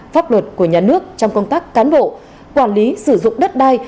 pháp luật của nhà nước trong công tác cán bộ quản lý sử dụng đất đai